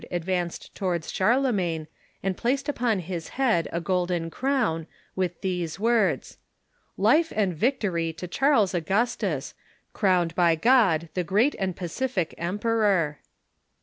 advanced towards Charlemagne, and placed upon his head a golden crown, with these words :" Life and victory to Charles Augustus, crowned by God the great and pacific emperor